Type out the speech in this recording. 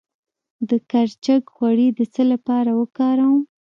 د کرچک غوړي د څه لپاره وکاروم؟